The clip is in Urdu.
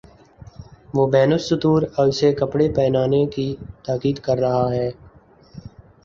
وہ بین السطور اسے کپڑے پہنانے کی تاکید کر رہا ہے۔